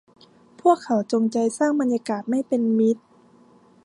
พวกเขาจงใจสร้างบรรยากาศไม่เป็นมิตร